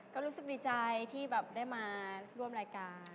ก็รู้สึกดีใจที่แบบได้มาร่วมรายการ